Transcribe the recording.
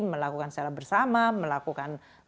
melakukan secara bersama melakukan one on one